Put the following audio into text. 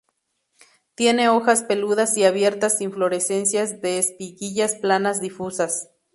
Tiene hojas peludas y abiertas inflorescencias de espiguillas planas difusas.